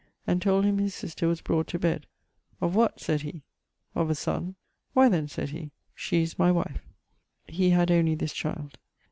and told him his sister was brought to bed. 'Of what?' sayd he. 'Of a son.' 'Why then,' sayd he, 'she is my wife.' He had only this child.